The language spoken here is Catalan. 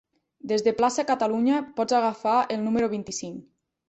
Des de Plaça Catalunya pots agafar el número vint-i-cinc.